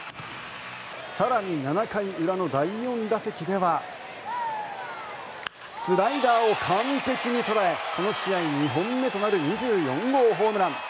更に、７回裏の第４打席ではスライダーを完璧に捉えこの試合２本目となる２４号ホームラン。